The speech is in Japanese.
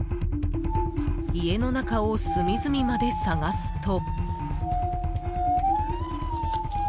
家の中を隅々まで探すと。